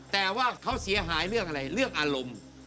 แต่ว่าเขาเสียหายเรื่องอะไรเรื่องอารมณ์